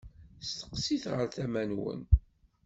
Steqsit ɣer tama-nwen.